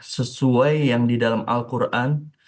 sesuai yang di dalam al quran